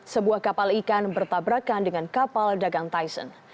sebuah kapal ikan bertabrakan dengan kapal dagang tyson